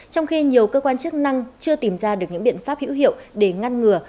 trong khi nhiều cơ quan chức năng chưa tìm ra được những biện pháp hữu hiệu để ngăn ngừa